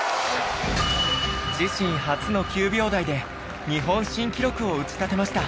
自身初の９秒台で日本新記録を打ち立てました。